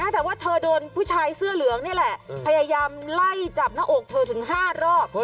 แต่ว่าเธอโดนผู้ชายเสื้อเหลืองนี่แหละพยายามไล่จับหน้าอกเธอถึง๕รอบ